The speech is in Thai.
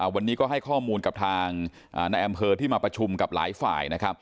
วันนี้ก็ให้ข้อมูลกับทางในอำเภอที่มาประชุมกับหลายฝ่าย